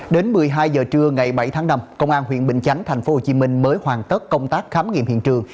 đến một mươi hai giờ trưa ngày bảy tháng năm công an huyện bình chánh tp hcm mới hoàn tất công tác khám nghiệm hiện trường